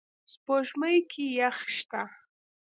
سپوږمۍ کې یخ شته